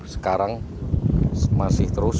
sekarang masih terus